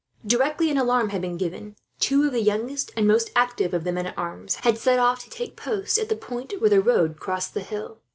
Directly an alarm had been given, two of the youngest and most active of the men at arms had set off, to take post at the point where the road crossed the hill.